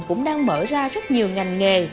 cũng đang mở ra rất nhiều ngành nghề